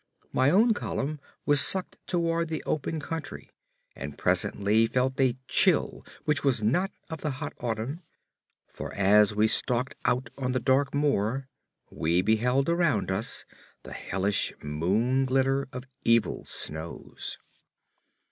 My own column was sucked toward the open country, and presently I felt a chill which was not of the hot autumn; for as we stalked out on the dark moor, we beheld around us the hellish moon glitter of evil snows.